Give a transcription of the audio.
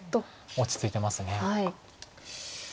落ち着いてます。